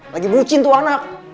lagi bucin tuh anak